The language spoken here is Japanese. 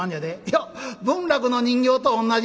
「よっ文楽の人形と同じ！」。